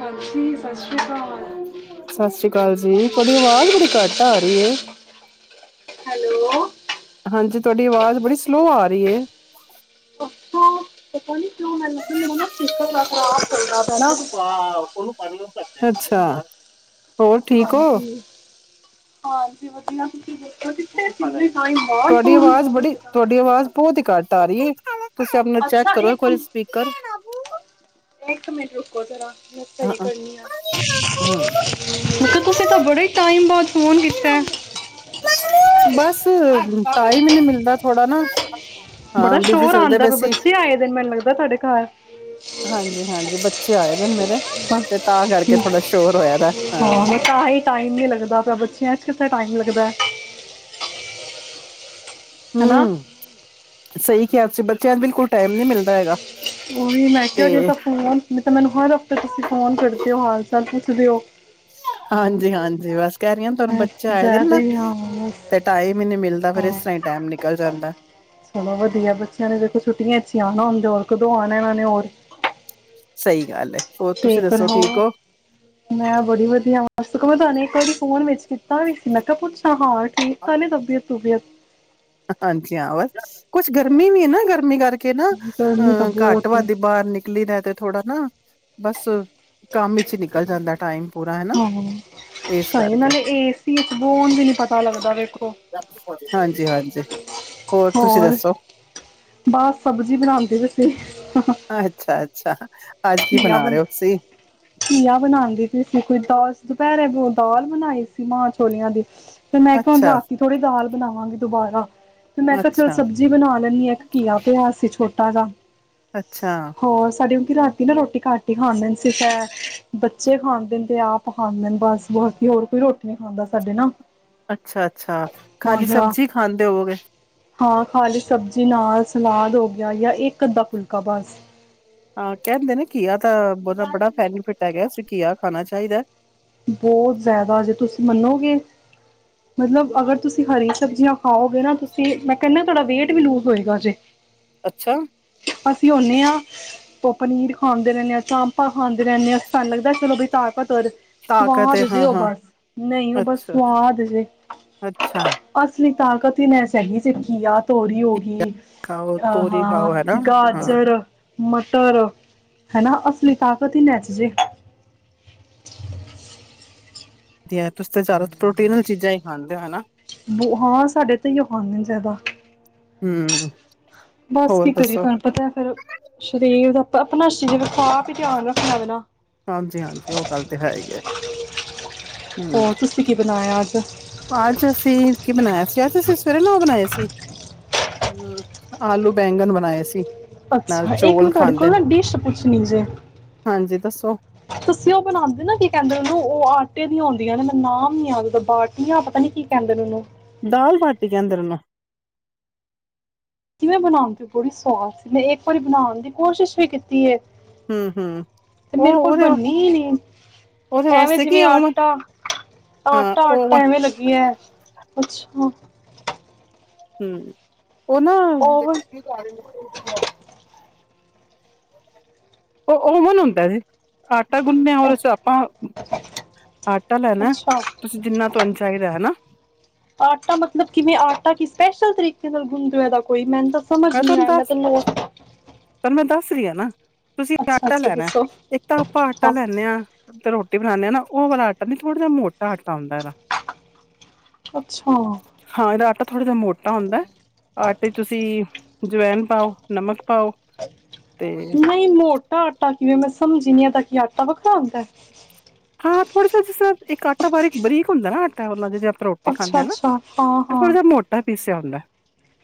ਹਾਂਜੀ ਸਤਿ ਸ਼੍ਰੀ ਅਕਾਲ ਸਤਿ ਸ੍ਰੀ ਅਕਾਲ ਜੀ ਤੁਹਾਡੀ ਅਵਾਜ਼ ਬੜੀ ਘੱਟ ਆ ਰਹੀ ਹੈ ਹੈਲੋ ਹਾਂਜੀ ਤੁਹਾਡੀ ਅਵਾਜ਼ ਬੜੀ ਸਲੋਅ ਆ ਰਹੀ ਈਏ ਅੱਛਾ ਪਤਾ ਨੀ ਕਿਉਂ ਮੈਨੂੰ ਨਾ ਮੈਨੂੰ ਨਾ ਫਿਕਰ ਆ ਇਹਨੂੰ ਪਾ ਉਹਨੂੰ ਪਾਣੀਆ ਅੱਛਾ ਹੋਰ ਠੀਕ ਹੋ ਹਾਂਜੀ ਹਾਂਜੀ ਵਧੀਆ ਤੁਸੀਂ ਦਸੋ ਤੁਹਾਡੀ ਆਵਾਜ਼ ਕੀਤਾ ਬੜੀ ਤੁਸੀਂ ਤਾਂ ਤੁਹਾਡੀ ਆਵਾਜ਼ ਬਹੁਤ ਹੀ ਘੱਟ ਤਾਰੀ ਅੱਛਾ ਇਕ ਮਿ ਇਕ ਮਿੰਟ ਰੁਕੋ ਜਰਾ ਮੈਂ ਸਹੀ ਹਾਂ ਕਰਨੀ ਆ ਤੁਸੀ ਤਾਂ ਬੜੇ ਹੀ ਟਾਈਮ ਬਾਅਦ ਫੋਨ ਕੀਤਾ ਹੈ। ਬਸ ਟਾਈਮ ਈ ਨਹੀ ਮਿਲਦਾ ਥੋੜਾ ਨਾ ਹਾਂ ਬੜਾ ਬਿਜੀ ਸ਼ੋਰ ਚੱਲਦੇ ਆਉਂਦਾ ਪਏ ਪਿਆ ਸੀ ਬੱਚੇ ਆਏ ਦੇ ਨੇ ਮੈਨੂੰ ਲੱਗਦਾ ਤੁਹਾਡੇ ਘਰ ਹਾਂਜੀ ਹਾਂਜੀ ਬੱਚੇ ਆਏ ਦੇ ਨੇ ਮੇਰੇ ਹਾਂ ਤੇ ਤਾਂ ਕਰਕੇ ਥੋੜਾ ਸ਼ੋਰ ਹੋਇਆ ਦਾ ਹੈ ਹਾ ਮੈਂ ਤਾਂ ਹੀ ਟਾਈਮ ਨੀ ਲੱਗਦਾ ਪਿਆ ਬੱਚਿਆਂ 'ਚ ਕਿੱਥੇ ਟਾਈਮ ਲੱਗਦਾ ਹੈ ਹੈਨਾ ਹਮ ਸਹੀ ਕਿਹਾ ਸੀ ਬੱਚਿਆਂ ਚ ਬਿਲਕੁਲ ਟਾਈਮ ਨਹੀਂ ਮਿਲਦਾ ਹੈਗਾ ਓਹੀ ਮੈਂ ਕਿਹਾ ਨੀ ਤੇ ਫੋਨ ਨਹੀਂ ਤਾਂ ਮੈਨੂੰ ਹਰ ਤੁਸੀਂ ਫੋਨ ਕਰਦੇ ਹੋ ਹਾਲ ਚਾਲ ਪੁੱਛਦੇ ਹੋ ਹਾਂਜੀ ਹਾਂਜੀ ਬਸ ਕਹਿਰੀਆਂ ਤੁਹਾਨੂੰ ਬੱਚੇ ਆਏ ਦੇ ਜ਼ਿਆਦਾ ਨਾਂ ਹੀ ਹਾਂ ਬਸ ਤੇ ਟਾਈਮ ਹੀ ਨੀ ਮਿਲਦਾ, ਫੇਰ ਇਸ ਹਾਂ ਤਰ੍ਹਾਂ ਹੀ ਟਾਈਮ ਨਿਕਲ ਜਾਂਦਾ ਚਲੋ ਵਧੀਆ ਬੱਚਿਆਂ ਨੇ ਦੇਖੋ ਛੁਟੀਆਂ ਚ ਹੀ ਹੁੰਦੇ ਹੋਰ ਕਦੋਂ ਆਉਣਾ ਇਹਨਾਂ ਨੇ ਹੋਰ ਸਹੀ ਗੱਲ ਹੈ ਹੋਰ ਤੇ ਤੁਸੀਂ ਫੇਰ ਦੱਸੋ ਹੋਰ, ਠੀਕ ਹੋ ਮੈਂ ਬੜੀ ਵਧੀਆ ਸਗੋ ਮੇ ਤੁਹਾਨੂੰ ਇਕ ਵਾਰੀ ਫੋਨ ਵਿੱਚ ਕੀਤਾ ਵੀ ਸੀ ਮੈਂ ਕਿਹਾ ਪੁੱਛਾਂ ਹਾਲ ਠੀਕ ਤਾਂ ਨੀ ਤਬੀਅਤ ਤੁਬੀਅਤ ਹਾਂਜੀ ਹਾਂ ਬੱਸ ਕੁਛ ਗਰਮੀ ਵੀ ਹੈ ਨਾ ਗਰਮੀ ਕਰਕੇ ਕੇ ਨਾ ਗਰਮੀ ਤਾਂ ਅਹ ਬਹੁਤ ਏ ਘੱਟ-ਵੱਧ ਬਾਹਰ ਨਿਕਲੀ ਦਾ ਤੇ ਥੋੜਾ ਨਾ ਬੱਸ ਕੰਮ ਵਿੱਚ ਨਿਕਲ ਜਾਂਦਾ ਟਾਈਮ ਹਾਂ ਇਸ ਸਹੀ ਕਰਕੇ ਨਾਲੇ ਏਸੀ ਚ ਬੋ ਉਂਜ ਵੀ ਨੀ ਪਤਾ ਲੱਗਦਾ ਵੇਖੋ ਹਾਂਜੀ ਹਾਂਜੀ ਹੋਰ ਤੁਸੀ ਦੱਸੋ ਬਸ ਸਬਜ਼ੀ ਬਣਾਉਂਦੇ ਪੇਸੀ ਅੱਛਾ-ਅੱਛਾ ਅੱਜ ਕੀ ਘੀਆ ਬਨਾ ਬਣਾ ਰਹੇ ਹੋ ਤੁਸੀ ਘੀਆ ਬਣਾਉਂਦੀ ਪਈ ਸੀ ਕੋਈ ਦਾਲ ਦੁਪਹਿਰੇ ਦਾਲ ਬਨਾਈ ਸੀ ਮਾਂ-ਚਛੋਲੀਆਂ ਦੀ ਤੇ ਮੈਂ ਕਿਹਾ ਹੁਣ ਅੱਛਾ ਰਾਤੀ ਥੋੜੀ ਦਾਲ ਬਣਾਵਾਂਗੇ ਦੁਬਾਰਾ ਤੇ ਮੈਂ ਕਿਹਾ ਚਲ ਅੱਛਾ ਸਬਜ਼ੀ ਬਣਾ ਲੈਂਨੀ ਹਾਂ ਇਕ ਕੀਆ ਪਿਆ ਸੀ ਛੋਟਾ ਜਿਹਾ ਅੱਛਾ ਹੋਰ ਸਾਡੇ ਕਿਉਂਕਿ ਰਾਤੀ ਨਾ ਰੋਟੀ ਘੱਟ ਹੀ ਖਾਂਦੇ ਸਿਰਫ ਏਹ, ਬੱਚੇ ਖਾਂਦੇ ਨੇ ਤੇ ਆਪ ਖਾਂਦੇ ਬਸ, ਬਸ ਹੀ ਹੋਰ ਕੋਈ ਰੋਟੀ ਨੀ ਖਾਂਦਾ ਸਾਡੇ ਨਾ ਅੱਛਾ-ਅੱਛਾ ਹਾਂ ਖਾਲੀ ਥੋੜਾ ਸਬਜ਼ੀ ਖਾਂਦੇ ਹੋਵੋਗੇ ਹਾਂ ਖਾਲੀ ਸਬਜ਼ੀ ਨਾਲ ਸਲਾਦ ਹੋ ਗਿਆ ਯਾ ਇੱਕ ਅੱਧਾ ਫੁਲਕਾ ਬਸ ਹਾਂ ਕਹਿੰਦੇ ਨੇ ਘੀਆ ਤਾਂ ਓਦਾ ਬੜਾ ਬੈਨਿਫਿਟ ਹੈ ਘੀਆ ਖਾਣਾ ਚਾਹੀਦਾ ਬਹੁਤ ਜ਼ਿਆਦਾ ਜੇ ਤੁਸੀ ਮੰਨੋਗੇ ਮਤਲਬ ਅਗਰ ਤੁਸੀਂ ਹਰੀ ਸਬਜ਼ੀਆਂ ਖਾਓਗੇ ਨਾ ਮੈਂ ਕਹਨਿਆ ਤੁਹਾਡਾ ਵੇਟ ਵੀ ਲੂਜ ਹੋਏਗਾ ਜੇ ਅੱਛਾ। ਅਸੀਂ ਆਉਂਨੇ ਆ ਤੇ ਪਨੀਰ ਖਾਂਦੇ ਰਹਿੰਦੇਂ ਹਾਂ ਚਾਮਪਾਂ ਖਾਂਦੇ ਰਹਿੰਨੇ ਆ ਸਾਨੂੰ ਲੱਗਦਾ ਚਲੋਂ ਬਈ ਤਾਕਤਵਰ ਏ। ਤਾਕਤ ਏ ਸਵਾਦ ਜੇ ਉਹ ਹਾਂ-ਹਾਂ ਬਸ ਨਹੀਂ। ਉਹ ਬਸ ਸਵਾਦ ਜੇ ਅੱਛਾ-ਅੱਛਾ ਅਸਲੀ। ਤਾਕਤ ਹੀ ਮੈਂ ਸਹੀ ਸਿੱਖ਼ੀ ਹੈ। ਤੋਰੀ ਹੋ ਗਈਂ। ਖਾਓ ਅਹ ਤੋਰੀ ਹਾਂ ਖਾਓ ਹਨਾ ਹਾਂ ਗਾਜ਼ਰ। ਮਟਰ ਹਨਾ ਅਸਲੀ ਤਾਕਤ ਹੀ ਇਹਨਾਂ ਚ ਜੇ। ਤੇ ਐ ਤੁਸੀਂ ਤਾਂ ਜ਼ਿਆਦਾ ਪ੍ਰੋਟੀਨ ਵਾਲੀ ਚੀਜ਼ਾਂ ਹੀ ਖਾਂਦੇ ਹੋ ਹਨਾ। ਹਾਂ ।ਸਾਡੇ ਤਾਂ ਇਹੀ ੲੌ ਖਾਂਦੇ ਜ਼ਿਆਦਾ। ਹਮ। ਬਸ ਕੀ ਕਰੀਏ ਤੁਹਾਂਨੂੰ ਪਤਾਂ ਹੈਂ ਫ਼ਿਰ ਸ਼ਰੀਰ ਦਾ। ਆਪਣਾਂ ਸ਼ਰੀਰ ਏ ਆਪ ਹੀ ਧਿਆਂਨ ਰੱਖਣਾਂ ਪੈਣਾਂ। ਹਾਂਜੀ ਹਾਂਜੀ ਉਹ ਗੱਲ਼ ਤਾਂ ਹੈ ਹੀ ਆ। ਹਮ। ਹੋਰ ਤੁਸੀਂ ਕੀ ਬਣਾਇਆ ਅੱਜ ਅੱਜ ਅਸੀਂ ਕੀ ਬਣਾਇਆਂ ਸੀ- ਅੱਜ਼ ਅਸੀਂ ਸਵੇਰੇ ਨਾਂ ਉਹ ਬਣਾਏ ਸੀ। ਹੂੰ ਆਲੂ ਬੈਂਗਨ ਬਣਾਏ ਸੀ। ਨਾਲ ਅੱਛਾ। ਇਕ ਚੋਲ ਮੈਂ ਤੁਹਾਡੇ ਖਾਂਦੇ ਕੋਲੋ ਨੇ ਨਾਂ ਡਿਸ਼ ਪੁੱਛਣੀ ਸੀ। ਹਾਂਜੀ ਦੱਸੋ ਤੁਸੀਂ ਉਹ ਬਣਾਉਂਦੇ ਨਾਂ ਕਹਿੰਦੇ ਨੇ ਉਹਨੂੰ ਉਹ ਆਟੇ ਦੀਆਂ ਹੁੰਦੀਆਂ ਨੇ ਮੈਨੂੰ ਨਾਮ ਨੀਂ ਯਾਦ ਪਿਆ ।ਬਾਟੀਆਂ ਪਤਾ ਨੀਂ ਕੀ ਕਹਿੰਦੇ ਨੇਂ ਉਹਨੂੰ। ਦਾਲ ਬਾਟੀ ਕਹਿੰਦੇ ਨੇਂ ਉਹਨੂੰ। ਕਿਵੇਂ ਬਣਾਉਂਦੇ ੲੌ ਬੜੀ ਸਵਾਦ ਸੀ। ਮੈਂ ਇੱਕ ਵਾਰੀਂ ਬਣਾਉਂਣ ਦੀ ਕੋਸ਼ਿਸ਼ ਵੀ ਕੀਤੀ ਏਂ। ਹੂੰ-ਹੂੰ ਤੇ ਉਹ ਮੇਰੇ ਕੋਲ ਉਹਦੇ ਬਣੀ ਈ ਨੀਂ । ਉਹਦੇ ਤੇ ਐਵੇਂ ਵਾਸਤੇ ਕੀ ਜਿਵੇਂ ਓਵਨ ਆਟਾ। ਹਾਂ ਆਟਾ ਆਟਾ ਓਵਨ ਐਵੇਂ ਲੱਗੀ ਜਾਏ। ਅੱਛਾ। ਹਮ। ਉਹ ਨਾਂ ਓਵਨ - ਉਹ ਓਵਨ ਹੁੰਦਾਂ ਜੀ। ਆਟਾ ਗੁੰਨਿਆ ਹੋਰ ਅਸੀਂ ਆਪਾਂ ਆਟਾ ਲੈਣਾਂ ਅੱਛਾ ਤੁਸੀਂ ਜਿੰਨਾਂ ਤੁਹਾਂਨੂੰ ਚਾਹੀਂਦਾ ਹਨਾ। ਆਟਾ ਮੱਤਲਬ ਕਿੰਵੇਂ ਆਟਾ ਕਿਸ - ਸਪੈਸ਼ਲ ਤਰੀਕ਼ੇ ਨਾਲ਼ ਗੁੰਨ ਦਿਆਂ ਵ ਕੋਈ ਮੈਂਨੂੰ ਤਾਂ ਸਮਝ ਨੀਂ ਆਇਆਂ ਮੈਂ ਤਾਂ ਨੋਰ ਸਹੀ ਆ ਨਾਂ। ਤੁਸੀਂ ਆਟਾ ਲੈਣਾਂ ਇੱਕ ਤਾਂ ਆਪਾਂ ਆਟਾ ਹਾਂ ਲੈਨੇਂ ਆ ਤੇ ਰੋਟੀ। ਰੋਟੀ ਬਣਾਂਣੇ ਹਾਂ ਨਾਂ ਉਹ ਵਾਲਾਂ ਆਟਾ ਨੀਂ ਥੋੜਾਂ ਜਿਹਾਂ ਮੋਟਾ ਆਟਾ ਹੁੰਦਾਂ ਅੱਛਾ ਹਾਂ ।ਇਹਦਾ ਆਟਾ ਥੋੜਾਂ ਜਿਹਾਂ ਮੋਟਾ ਹੁੰਦਾਂ। ਆਟੇ ਤੁਸੀਂ ਜਵੈਨ ਪਾਓ ਨਮਕ ਪਾਓ। ਤੇ ਨਹੀਂ- ਮੋਟਾ ਆਟਾ। ਮੈਂਨੂੰ ਸਮਝ ਨਹੀਂ ਆਈਂ ।ਇਹਦਾ ਕੀ ਆਟਾ ਵੱਖ਼ਰਾ ਹੁੰਦਾਂ ਏ ਹਾਂ ਥੋੜਾਂ ਜਿਹਾਂ ਜਿਸ ਤਰ੍ਹਾਂ ਇੱਕ ਆਟਾ ਬਾਰੀਕ ਬਰੀਕ ਹੁੰਦਾਂ ਨਾਂ ਆਟਾ ਮਤਲਬ ਜਿਵੇਂ ਰੋਟੀ ਖਾਂਦੇ ਅੱਛਾ ਆ ਨਾਂ ਅੱਛਾ ਹਾਂ ਉਹ ਥੋੜਾਂ ਹਾਂ ਜਿਹਾਂ ਮੋਟਾ। ਪੀਸਿਆ ਹੁੰਦਾ।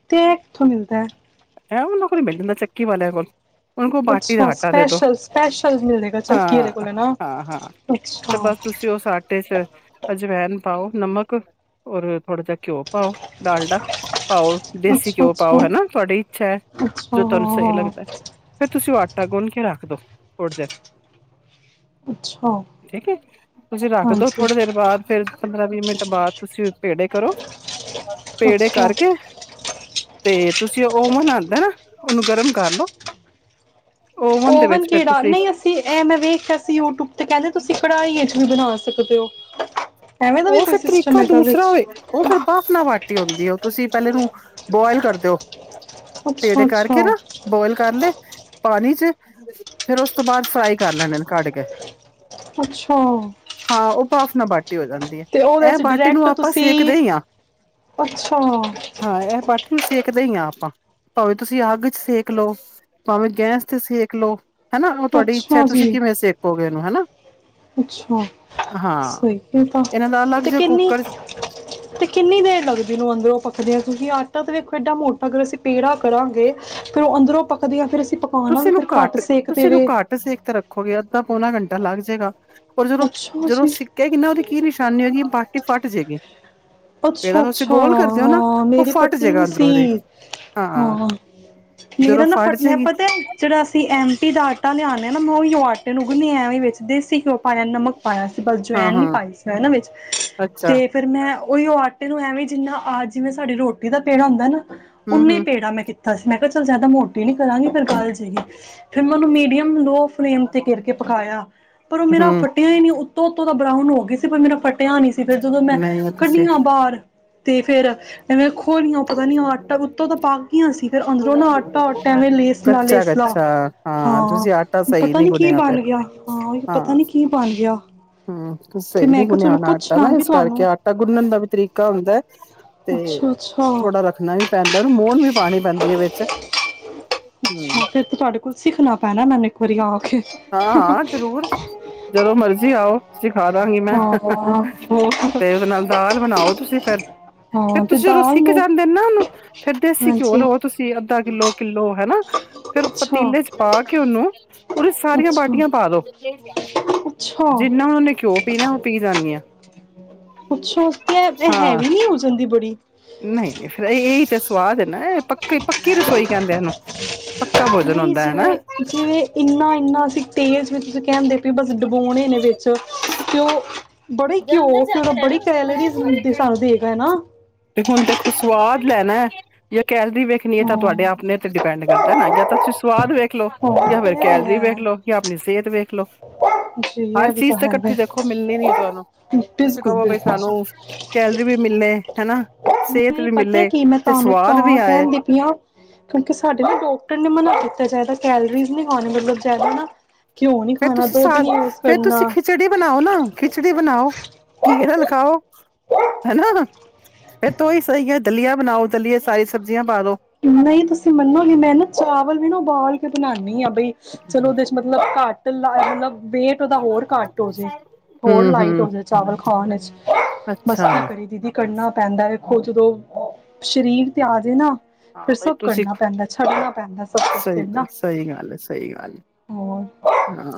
ਤੇ ਏ ਕਿੱਥੋਂ ਮਿਲਦਾ? ਐ ਵਾਲਾ ਹੁਰੇ ਮਿਲ ਜਾਂਦਾ ਚੱਕੀ ਵਾਲਿਆਂ ਕੋਲ ਉਹਨਾਂ ਕੋਲ ਬਾਟੀ ਦਾ ਅੱਛਾ ਆਟਾ ਦੇ ਦੋ ਸਪੈਸ਼ਲ ਸਪੈਸ਼ਲ ਮਿਲੇਗਾ ਚੱਕੀ ਆਲੇ ਹਾਂ ਕੋਲ ਨਾ। ਹਾਂ ਹਾਂ ਤੇ ਅੱਛਾ ਬਸ ਤੁਸੀਂ ਉਹ ਸੱਟ ਪਤੇ ਚ ਫਿਰ ਅਜਵੈਨ ਪਾਓ, ਨਮਕ ਔਰ ਥੋੜ੍ਹਾ ਜਿਹਾ ਘਿਓ ਪਾਓ ਡਾਲਡਾ ਪਾਓ ਦੇਸੀ ਅੱਛਾ ਘਿਓ ਅੱਛਾ ਪਾਓ ਹਨਾਂ! ਤੁਆਡੀ ਇੱਛਾ ਐ ਅੱਛਾ ਜੋ ਤੁਆਨੂੰ ਹਾਂ ਸਹੀ ਹਾਂ ਲੱਗਦਾ ਫਿਰ ਤੁਸੀਂ ਟਾ ਗੁਣ ਕੇ ਰੱਖ ਦੋ ਥੋੜੀ ਦੇਰ ਅੱਛਾ ਠੀਕ ਏ, ਤੁਸੀਂ ਰੱਖਦੋ ਹਾਂਜੀ ਥੋੜੇ ਦੇਰ ਬਾਅਦ ਫਿਰ ਪੰਦਰਾਂ ਵੀਹ ਮਿੰਟ ਬਾਅਦ ਤੁਸੀਂ ਪੇੜੇ ਕਰੋ ਪੇੜੇ ਅੱਛਾ ਕਰਕੇ ਤੇ ਤੁਸੀਂ ਉਹ ਮਨਾਂਦੇ ਨਾ ਉਹਨੂੰ ਗਰਮ ਕਰ ਲੋ। ਓਵਨ ਕਿਹੜਾ ਨਈਂ ਅਸੀਂ ਇਹ ਮੈਂ ਵੇਖਿਆ ਅਸੀਂ ਯੂਟਿਊਬ ਤੇ ਕਹਿੰਦੇ ਤੁਸੀਂ ਪੜ੍ਹਾਈ ਏ ਵੀ ਬਣਾ ਸਕਦੇ ਔ। ਉਹ ਫਿਰ ਤਰੀਕਾ ਦੂਸਰਾ ਏ ਉਹ ਫਿਰ ਬਾਫ਼ ਨਾ ਵਾਟੀ ਆਉਂਦੀ ਐ। ਤੁਸੀਂ ਪਹਿਲੇ ਨੂੰ ਬੋਇਲ ਕਰ ਦਿਓ। ਅੱਛਾ ਪੇੜੇ ਅੱਛਾ ਕਰਕੇ ਨਾ ਬੋਇਲ ਕਰ ਲਏ ਪਾਣੀ ਚ ਫਿਰ ਉਸ ਤੋਂ ਬਾਅਦ ਫਰਾਈ ਕਰ ਲੈਣੇ ਨੇ ਕੱਢ ਕੇ ਅੱਛਾ ਨਾ ਬਾਟੀ ਹੋ ਜਾਂ ਤੇ ਉਹਦੇ ਇਹ ਚ ਬਾਟੀ ਨੂੰ ਡਾਇਰੈਕਟ ਆਪਾਂ ਸੇਕਦੇ ਤੁਸੀਂ ਈਂ ਆਂ, ਅੱਛਾ ਹਾਂ ਇਹ ਬਾਟੀ ਨੂੰ ਸੇਕਦੇ ਹਂ ਆਂ। ਭਾਵੇਂ ਤੁਸੀਂ ਅੱਗ ਚ ਸੇਕ ਲਓ, ਭਾਵੇਂ ਗੈਸ ਤੇ ਸੇਕ ਲਓ। ਹਨਾਂ, ਉਹ ਤੁਆਡੀ ਇੱਛਾ ਅੱਛਾ ਤੁਸੀਂ ਜੀ ਕਿਵੇਂ ਸੇਕੋਗੇ ਇਹਨੂੰ ਹਨਾਂ! ਅੱਛਾ ਸਹੀ ਐ, ਗ ਇਹਨਾਂ ਦਾ ਅਲੱਗ ਤੇ ਜਿਹਾ ਕਿੰਨੀ ਕੁੱਕਰ ਤੇ ਕਿੰਨੀ ਦੇਰ ਲੱਗਦੀ ਨੂੰ ਅੰਦਰੋਂ ਪੱਕਦਿਆਂ? ਤੁਸੀਂ ਆਟਾ ਤੇ ਵੇਖੋ ਏਡਾ ਮੋਟਾ ਅਗਰ ਅਸੀਂ ਪੇੜਾ ਕਰਾਂਗੇ ਫੇਰ ਉਹ ਅੰਦਰੋਂ ਪਕਦੀਆਂ ਫਿਰ ਪਕਾਉਣਾ ਤੁਸੀਂ ਵੀ ਇਹਨੂੰ ਫਿਰ ਘੱਟ ਸੇਕ ਤੇ ਤੁਸੀਂ ਇਹਨੂੰ ਵੇ ਘੱਟ ਸੇਕ ਤੇ ਰੱਖੋਗੇ ਤਾਂ ਪੌਣਾ ਘੰਟਾ ਲੱਗ ਜਾਏਗਾ। ਪਰ ਜਦੋਂ, ਅੱਛਾ ਜਦੋਂ ਜੀ ਸਿਕੈਗੀ ਨਾਂ ਇਹਦੀ ਕੀ ਨਿਸ਼ਾਨੀ ਹੋਗੀ ਬਾਟ ਅੱਛਾ ਤੁਸੀਂ ਅੱਛਾ, ਗੋਲ ਕਰਦੇ ਹੋ ਨਾ ਹਾਂ ਉਹ ਮੇਰੀ ਫਟ ਫੱਟੀ ਜਾਏਗਾ ਨੀ ਅੰਦਰੋਂ ਸੀ ਉਹਦੇ ਹਾਂ, ਮੇਰਾ ਜਦੋਂ ਨਾ ਫਟ ਫੱਟਣ ਜਾਏਗੀ ਪਤਾ ਜਿਹੜਾ ਅਸੀਂ ਐਮਟੀ ਦਾ ਆਟਾ ਲਿਆਉਂਦੇ ਹਾਂ ਨਾ ਮੈਂ ਆਟੇ ਗੀਨਿਯ ਵਿਚ ਦੇਸੀ ਘਿਓ ਪਾ ਲਿਆ ਨਮਕ ਪਾਇਆ ਸੀ ਪਰਲ ਹਾਂ ਜਵੈਨ ਨੀ ਹਾਂ ਪਾਈ ਸੀ ਇਹਨਾਂ ਵਿੱਚ ਅੱਛਾ ਤੇ ਫੇਿਰ ਮੈਂ ਉਹੀ ਉਹ ਆਟੇ ਨੂੰ ਐਵੇਂ ਜਿੰਨਾ ਆ ਜਿਵੇਂ ਸਾਡੀ ਰੋਟੀ ਦਾ ਪੇੜਾ ਹੁੰਦਾ ਨਾ ਹਮ ਉਨੇ ਹਮ ਪੇੜਾਂ ਮੈਂ ਕੀਤਾ ਤਾਂ ਮੈਂ ਕਿਹਾ ਚਲੋ ਜਿਆਦਾ ਮੋਟੀ ਨੀ ਕਰਾਂਗੀ ਫਿਰ ਗੱਲ ਜੈਗੀ ਫਿਰ ਮੈਂ ਉਹਨੂੰ ਮੀਡੀਅਮ ਲੋ ਫਲੇਮ ਤੇ ਘਿਰ ਕੇ ਪਕਾਇਆ ਪਰ ਉਹ ਮੇਰਾ ਹਮ ਫੱਟਿਆ ਹੀ ਨਹੀਂੀ ਉਤੋ ਦਾ ਬਰਾਊਨ ਹੋ ਗਈ ਸੀ ਪਰ ਮੇਰਾ ਫੱਟ ਪਿਆ ਨੀ ਸੀ ਫਿਰ ਜਦੋਂ ਮੈਂ ਨਹੀਂ ਤੁਸੀਂ ਕੱਢੀਆਂ ਬਾਹਰ ਤੇ ਫੇਰ ਐਵੇਂ ਹੋਲੀਆਂ ਪਤਾ ਨੀ ਆਟਾ ਉੱਤੋਂ ਤਾਂ ਪਕ ਗਈਆਂ ਸੀ ਫਿਰ ਅੰਦਰੋਂ ਨਾ ਆਟਾ ਆਟਾ ਐਵੇਂ ਲੇਸਲਾ ਕੱਚਾ ਲੇਸਲਾ ਕੱਚਾ ਹਾਂ ਤੁਸੀਂ ਆਟਾ ਸਹੀ ਪਤਾ ਨਹੀਂ ਨੀ ਕੀ ਗੁਣਿਆ ਫਿਰ ਬਣ ਗਿਆ ਹਾਂ ਪਤਾ ਨੀ ਕੀ ਬਣ ਗਿਆ ਤੇ ਮੈਂ ਕਿਹਾ ਚਲੋ ਇਸ ਕਰਕੇ ਆਟਾ ਨਾ ਪੁੱਛਾਂਗੀ ਇਸ ਕਰਕੇ ਤੁਹਾਨੂੰ ਆਟਾ ਗੁੰਨਣ ਦਾ ਵੀ ਤਰੀਕਾ ਹੁੰਦਾ ਅੱਛਾ ਅੱਛਾ ਥੋੜ੍ਹਾ ਰੱਖਣਾ ਵੀ ਪੈਂਦਾ ਮੋਹਨ ਵੀ ਪਾਉਣੀ ਪੈਂਦੀ ਹੈ ਵਿੱਚ ਹਮ ਅੱਛਾ ਫਿਰ ਤੇ ਤੁਹਾਡੇ ਕੋਲ ਸਿੱਖਣਾ ਪੈਣਾ ਮੈਨੂੰ ਇੱਕ ਵਾਰੀ ਆ ਕੇ ਹਾਂ ਹਾਂ ਜ਼ਰੂਰ ਜਦੋਂ ਮਰਜੀੀ ਆਓ ਸਿਖਾ ਦਾਂਗੀ ਮੈਂ ਹਾਂ ਹਾਂ, ਤੇ ਉਹਦੇ ਨਾਲ ਦਾਲ ਬਣਾਓ ਤੁਸੀਂ ਫਰ ਹਾਂ ਤੇ ਤਾਂ ਪੱਕ ਜਾਂਦੇ ਨਾ ਉਹਨੂੰ ਫੇਰ ਦੇਸੀ ਘਿਓ ਲਓ ਤੁਸੀਂ ਅੱਧਾ ਕਿੱਲੋ ਕਿੱਲੋ ਹਨਾ ਫੇਰ ਅੱਛਾ ਪਤੀਲੇ ਚ ਪਾ ਕੇਓਨੂੰ ਉਦੇ ਸਾਰੀਆਂ ਅੱਛਾ ਬਾਟੀਆਂ ਪਾ ਦੋ ਅੱਛਾ ਜਿੰਨਾ ਨੇ ਘਿਓ ਪੀਣਾ ਉਹ ਪੀ ਜਾਣੀਆਂ ਪੁੱਛੋ ਤੇ ਹੈ ਵੀ ਨੀ ਹੋ ਜਾਂਦੀ ਬੜੀ ਨਹੀਂ ਨਹੀਂ ਫੇਿਰ ਇਹਹੀ ਤਾਂ ਸਵਾਦ ਏ ਨਾ ਪੱਕੀ ਪੱਕੀ ਰਸੋਈ ਕਹਿੰਦੇ ਇਹਨੂੰ ਭੋਜਨ ਨਹੀਂ ਹੁੰਦਾ ਹੈ ਨਾ ਜਿਵੇਂ ਜਿਵੇਂ ਇੰਨਾ ਇੰਨਾ ਅਸੀਂ ਤੇਜ਼ ਵਿੱਚ ਤੁਸੀ ਕਹਿਣ ਦੇਖ ਫਿਰ ਬਸ ਡਬੋਣੇ ਨੇ ਵਿੱਚ ਫ ਉਹ ਬੜੇ ਘਿਓ ਘਿਓ ਦਾ ਬੜੀ ਕੈਲਰੀਜ਼ ਦੇ ਸਾਨੂੰ ਦੇਗਾ ਹੈ ਨਾ ਤੇ ਹੁਣ ਦੇਖੋ ਸਵਾਦ ਨਾ ਕੈਲਰੀ ਵੇਖਣੀ ਹੈ ਤਾਂ ਤੁਹਾਡੇ ਹਾਂ ਆਪਣੇ ਤੇ ਡਿਪੈਂਡ ਕਰਦਾ ਨਾ ਜਾਂ ਤਾਂ ਤੁਸੀਂ ਸੁਵਾਦ ਵੇਖ ਲੋ ਹਾਂ ਜਾਂ ਇਹ ਫਿਰ ਵੀ ਕੈਲਰੀ ਹੈ ਵੇਖ ਲੋ ਜਾਂ ਆਪਣੀ ਸਿਹਤ ਵੇਖ ਲਫ ਜੀ ਹਰ ਇਹ ਵੀ ਚੀਜ਼ ਤਾਂ ਤੇ ਹੈ ਇਕੱਠੀ ਵੈ ਦੇਖੋ ਮਿਲਣੀ ਨੀ ਤੁਹਾਨੂੰ ਤੁਸੀਂ ਬਿਲਕੁਲ ਕਹੋ ਬ ਬਿਲਕੁਲ ਸਾਨੂੰ ਕੈਲਰੀ ਵੀ ਮਿਲਣੇ ਹਨਾ ਸਿਹਤ ਨਹੀਂ ਵੀ ਪਤਾ ਮਿਲੇ ਕੀ ਮੈਂ ਤੇ ਤੁਹਾਨੂੰ ਸਵਾਦ ਵੀ ਤਾਂ ਆਏ ਕਹਿੰਦੀ ਪਈ ਹਾਂ ਕਿਉਂਕਿ ਸਾਡੇ ਨਾ ਡਾਕਟਰ ਨੇ ਮਨਾ ਕੀਤਾ ਜਾਦਾ ਕੈਲਰੀਜ਼ ਨਹੀਂ ਪਾਉਣੀ ਮਤਲਬ ਜ਼ਿਆਦਾ ਹਨਾ। ਫੇਰ ਤੁਸੀਂ ਸਾਗ ਫੇਰ ਤੁਸੀਂ ਖਿਚੜੀ ਬਣਾਓ ਨਾ ਖਿਚੜੀ ਬਣਾਓ ਘੀ ਨਾਲ ਖਾਉ ਹਨਾ। ਫੇਰ ਤੋ ਉਹੀ ਸਹੀ ਹੈ ਦਲੀਆ ਬਣਾਓ ਦਲੀਏ ਚ ਸਾਰੀਆਂ ਸਬਜ਼ੀਆਂ ਪਾ ਦੋ। ਨਹੀਂ ਤੁਸੀਂ ਮੰਨੋਗੇ ਮੈਂ ਨਾ ਚਾਵਲ ਵੀ ਨਾ ਉਬਾਲ ਕੇ ਬਣਾਨਣੀ ਆ। ਬਈ ਚਲੋ ਉਹਦੇ ਚ ਮਤਲਬ ਘੱਟ। ਤੇ ਲਾਇਆਂ ਮਤਲਬ। ਵੇਟ ਉਹਦਾ ਹੋਰ ਘੱਟ ਹੋਜੇ ਹੋਰ ਹੂੰ ਲਾਈਟ ਹੋ ਹੂੰ ਜੇ ਚਾਵਲ ਖਾਣ ਚ ਅੱਛਾ ਮਸਤੀ ਨੀ ਕਰਦੀ ਦੀਦੀ ਕਰਨਾ ਪੈਂਦਾ ਹੈ। ਉਹ ਜਦੋਂ ਸਰੀਰ ਤੇ ਆ ਜਾ ਨਾ। ਫਿਰ ਹਾਂ ਬਈ ਸਭ ਤੁਸੀਂ ਕਰਨਾ ਪੈਂਦਾ ਛੱਡਣਾ ਪੈਂਦਾ ਸਭ ਕੁਛ ਫਿਰ ਸਹੀ, ਨਾ ਸਹੀ ਗੱਲ ਏ, ਸਹੀ ਗੱਲ ਹੋਰ ਏ, ਹਾਂ।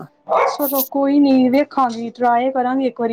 ਚਲੋ ਕੋਈ ਨੀ । ਵੇਖਾਂਗੀ ਟਰਾਈ ਕਰਾਂਗੇ ਇੱਕ ਵਾਰੀ।